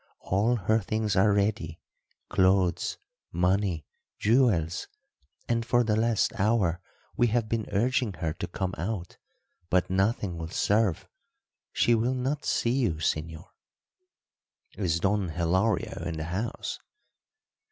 All her things are ready clothes, money, jewels; and for the last hour we have been urging her to come out, but nothing will serve. She will not see you, señor." "Is Don Hilario in the house?"